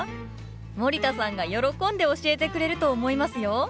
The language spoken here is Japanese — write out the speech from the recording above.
森田さんが喜んで教えてくれると思いますよ。